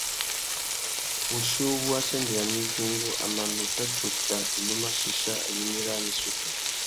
Wuchí uwú a sendéyamú idjungú, a mà nuta tsôta nu mà chichia abimî râā nà issutu.